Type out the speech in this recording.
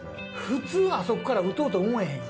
普通、あそこから打とうと思えへんやん。